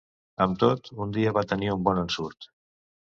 Amb tot, un dia va tenir un bon ensurt.